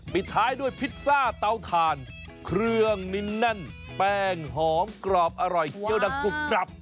ปิดท้ายด้วยพิซซ่าเตาถ่านเครื่องนิ้นแน่นแป้งหอมกรอบอร่อยเคี้ยวดังกรุบกรับ